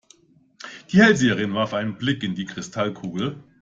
Die Hellseherin warf einen Blick in die Kristallkugel.